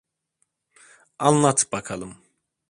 Anlat bakalım.